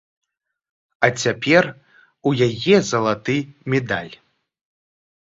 А цяпер у яе залаты медаль!